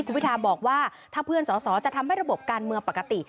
คุณพิทาบอกว่าถ้าเพื่อนสอสอจะทำให้ระบบการเมืองปกติ